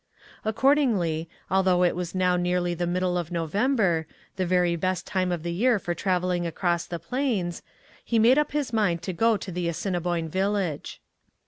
Accordingly, although it was now nearly the middle of November, the very best time of the year for travelling across the plains, he made up his mind to go to the Assiniboine village.